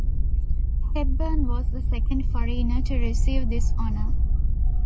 Hepburn was the second foreigner to receive this honor.